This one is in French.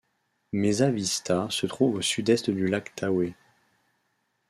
Mesa Vista se trouve au sud-est du lac Tahoe.